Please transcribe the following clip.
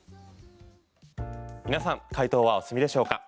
皆さん解答はお済みでしょうか？